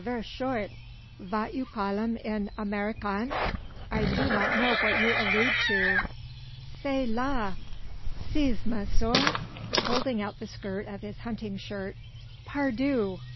ver short vat you call em in Americaine?" "I do not know what you allude to." "Cela! Zis, monsieur," holding out the skirt of his hunting shirt; "par Dieu!